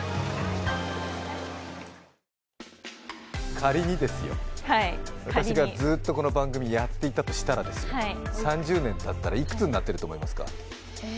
仮にですよ、私がずっとこの番組やっていたらとしたら３０年たったら、いくつになっていると思いますか？